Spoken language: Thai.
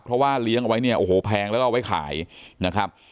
เพราะว่าเลี้ยงเอาไว้เนี่ยโอ้โหแพงแล้วก็เอาไว้ขายนะครับ